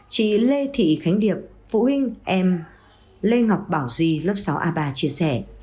chị lê thị khánh điệp phụ huynh em lê ngọc bảo di lớp sáu a ba chia sẻ